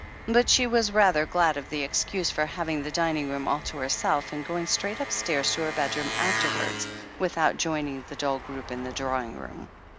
But she was rather glad of the excuse for having the dining room all to herself, and going straight upstairs to her bedroom afterwards, without joining the dull group in the drawing room.